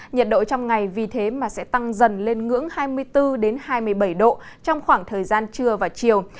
nhiệt độ trong ngày vì thế mà sẽ tăng dần lên ngưỡng hai mươi bốn hai mươi bảy độ trong khoảng thời gian trưa và chiều